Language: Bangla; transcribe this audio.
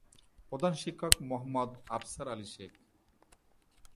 প্রধান শিক্ষক মোহাম্মদ আফসার আলি শেখ।